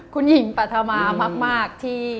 คุณหญิงปาธรมามาก